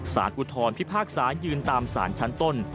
ศาลกุธรพิพากษายืนตามศาลชั้นต้น